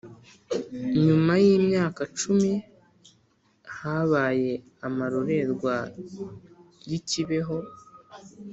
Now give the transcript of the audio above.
nyuma y'imyaka cumi habaye amarorerwa y'i kibeho,